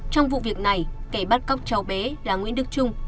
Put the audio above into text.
trong vụ việc này kẻ bắt cóc cháu bé là nguyễn đức trung